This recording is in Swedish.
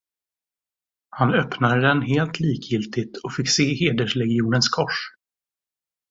Han öppnade den helt likgiltigt och fick se hederslegionens kors.